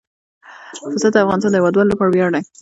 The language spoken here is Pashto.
پسه د افغانستان د هیوادوالو لپاره ویاړ دی.